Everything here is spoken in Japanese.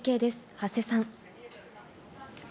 長谷さん。